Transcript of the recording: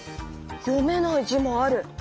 読めない字もある。